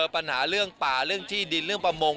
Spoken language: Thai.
ปัญหาเรื่องป่าเรื่องที่ดินเรื่องประมง